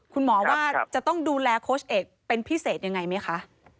คุณหมอว่าจะต้องดูแลโค้ชเอกเป็นพิเศษยังไงไหมคะ